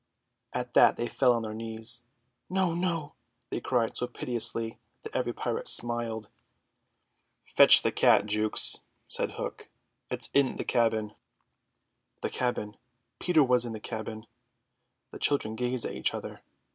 At that they fell on their knees. "No, no!" they cried so piteously that every pirate smiled. "Fetch the cat, Jukes," said Hook; "it's in the cabin." The cabin! Peter was in the cabin! The children gazed at each other.